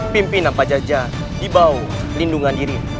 pimpinan pak jajah dibawah lindungan diri